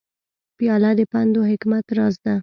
پیاله د پند و حکمت راز ده.